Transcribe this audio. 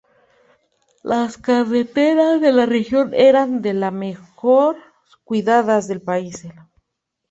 Las carreteras de la región eran de las mejor cuidadas del país.